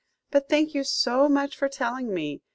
But thank you so much for telling me.